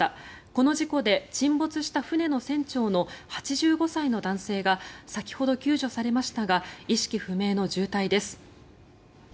この事故で沈没した船の船長の８５歳の男性が先ほど救助されましたが意識不明の重体です。